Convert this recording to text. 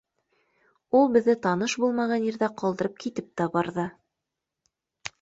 Ул беҙҙе таныш булмаған ерҙә ҡалдырып китеп тә барҙы.